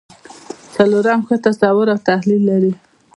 څلورم ښه تصور او تحلیل لري.